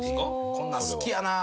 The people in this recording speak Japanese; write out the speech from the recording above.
こんなん好きやなぁ。